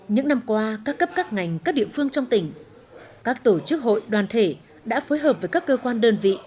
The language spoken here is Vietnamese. những năm qua các cấp các ngành các địa phương trong tỉnh các tổ chức hội đoàn thể đã phối hợp với các cơ quan đơn vị